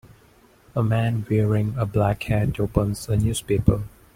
A man wearing a black hat opens a newspaper.